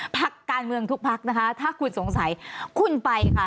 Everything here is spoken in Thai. พักการเมืองทุกพักนะคะถ้าคุณสงสัยคุณไปค่ะ